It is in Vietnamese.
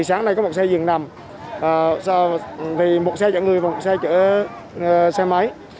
sáng nay có một xe dừng nằm một xe chở người và một xe chở xe máy